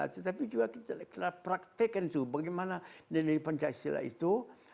tetapi juga kita harus praktekkan itu bagaimana dari pancasila itu